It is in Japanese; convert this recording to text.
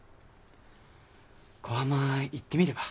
小浜行ってみれば？